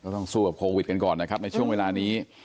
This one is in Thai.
ต้องสู้กับโควิดกันก่อนนะครับในช่วงเวลานี้